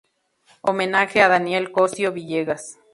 Homenaje a Daniel Cosío Villegas".